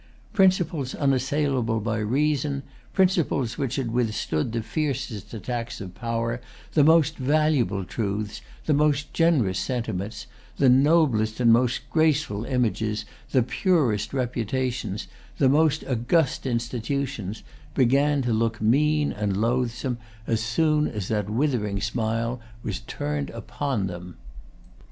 Principles unassailable by reason, principles which had withstood the fiercest attacks of power, the most valuable truths, the most generous sentiments, the noblest and most graceful images, the purest reputations, the most august institutions, began to look mean and loathsome as soon as that withering smile was turned upon them.